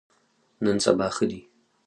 نن سبا ښه دي.